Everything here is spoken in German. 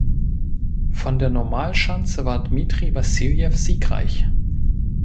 Von der Normalschanze war Dmitri Wassiljew siegreich.